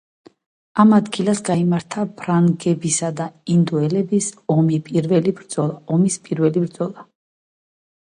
ამ ადგილას გაიმართა ფრანგებისა და ინდიელების ომის პირველი ბრძოლა.